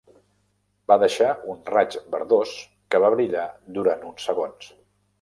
Va deixar un raig verdós que va brillar durant uns segons.